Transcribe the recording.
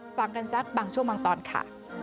ฟังกันสักบางช่วงบางตอนค่ะ